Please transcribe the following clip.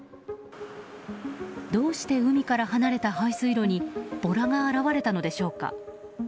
どうして海から離れた排水路にボラが現れたのでしょうか？